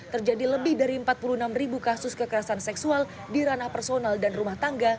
terjadi lebih dari empat puluh enam ribu kasus kekerasan seksual di ranah personal dan rumah tangga